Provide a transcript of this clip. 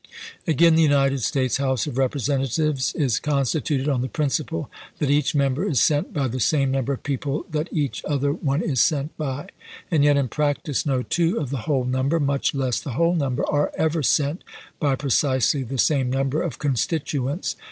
Again, the United States House of Representatives is constituted on the principle that each member is sent by the same number of people that each other one is sent by ; and yet, in practice, no two of the whole number, much less the whole number, are ever sent by precisely the same number of constit uents.